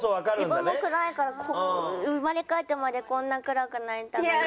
自分も暗いから生まれ変わってまでこんな暗くなりたくない。